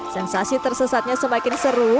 sensasi tersesatnya semakin seru